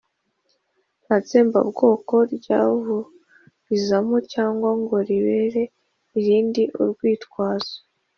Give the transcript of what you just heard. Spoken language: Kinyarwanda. nta tsembabwoko ryaburizamo cyangwa ngo ribere irindi urwitwazo.